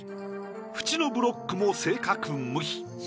縁のブロックも正確無比。